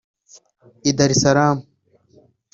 i Dar Es Salaam